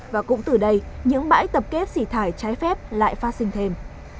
và cũng từ đây những bãi tập kết xỉ thải trái phép lại phát sinh thêm